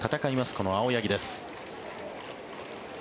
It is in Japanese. この青柳です。